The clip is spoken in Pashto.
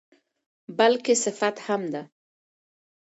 بلکې صفت هم ده.